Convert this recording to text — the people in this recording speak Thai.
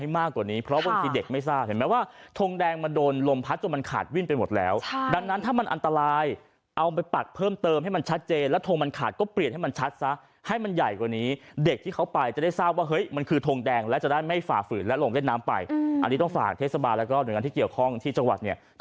มากกว่านี้เพราะบางทีเด็กไม่ทราบเห็นไหมว่าทงแดงมันโดนลมพัดจนมันขาดวิ่นไปหมดแล้วดังนั้นถ้ามันอันตรายเอาไปปักเพิ่มเติมให้มันชัดเจนแล้วทงมันขาดก็เปลี่ยนให้มันชัดซะให้มันใหญ่กว่านี้เด็กที่เขาไปจะได้ทราบว่าเฮ้ยมันคือทงแดงแล้วจะได้ไม่ฝ่าฝืนและลงเล่นน้ำไปอันนี้ต้องฝากเทศบาลแล้วก็หน่วยงานที่เกี่ยวข้องที่จังหวัดเนี่ย